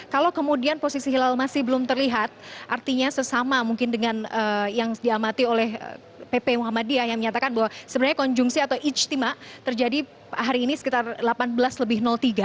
kalau kemudian posisi hilal masih belum terlihat artinya sesama mungkin dengan yang diamati oleh pp muhammadiyah yang menyatakan bahwa sebenarnya konjungsi atau ijtima terjadi hari ini sekitar delapan belas lebih tiga